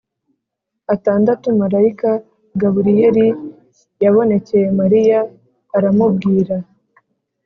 atandatu marayika Gaburiyeli yabonekeye Mariya aramubwira